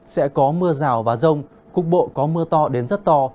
sẽ có mưa rào và rông cục bộ có mưa to đến rất to